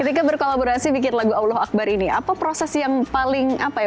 ketika berkolaborasi bikin lagu allah akbar ini apa proses yang paling apa ya